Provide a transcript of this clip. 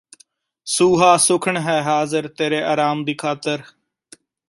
ਸੂਹਾ ਸੁਖ਼ਨ ਹੈ ਹਾਜ਼ਿਰ ਤੇਰੇ ਅਰਾਮ ਦੀ ਖ਼ਾਤਿਰ